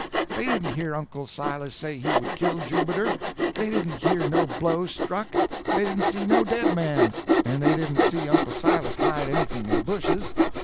They didn't hear Uncle Silas say he would kill Jubiter; they didn't hear no blow struck; they didn't see no dead man, and they didn't see Uncle Silas hide anything in the bushes.